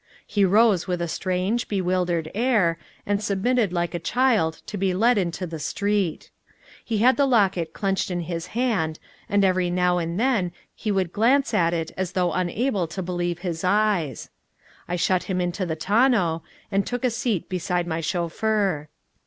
He rose with a strange, bewildered air, and submitted like a child to be led into the street. He had the locket clenched in his hand, and every now and then he would glance at it as though unable to believe his eyes. I shut him into the tonneau, and took a seat beside my chauffeur.